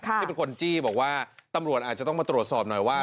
ที่เป็นคนจี้บอกว่าตำรวจอาจจะต้องมาตรวจสอบหน่อยว่า